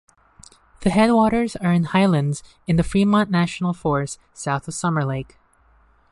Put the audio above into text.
The headwaters are in highlands in the Fremont National Forest south of Summer Lake.